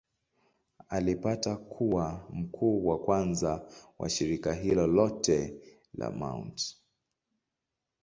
Alipata kuwa mkuu wa kwanza wa shirika hilo lote la Mt.